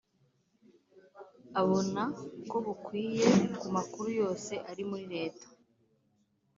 abona ko bukwiye ku makuru yose ari muri leta